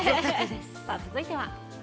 続いては。